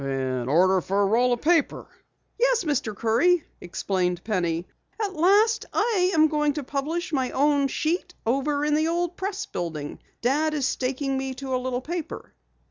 "An order for a roll of paper?" "Yes, Mr. Curry," explained Penny. "At last I am going to publish my own sheet over in the old Press building. Dad is staking me to a little paper."